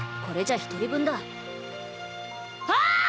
これじゃ一人分だああ！